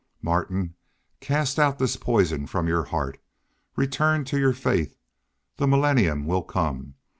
"Martin, cast out this poison from your heart. Return to your faith. The millennium will come.